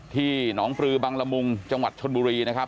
ที่หนองปลือบังละมุงจังหวัดชนบุรีนะครับ